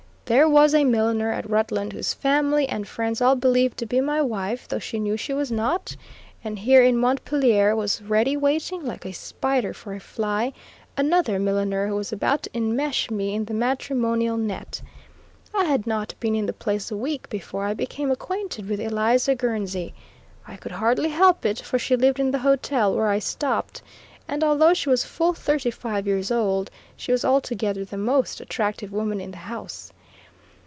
There was a milliner at Rutland whose family and, friends all believed to be my wife, though she knew she was not; and here in Montpelier, was ready waiting, like a spider for a fly, another milliner who was about to enmesh me in the matrimonial net. I had not been in the place a week before I became acquainted with Eliza Gurnsey. I could hardly help it, for she lived in the hotel where I stopped, and although she was full thirty five years old, she was altogether the most attractive woman in the house.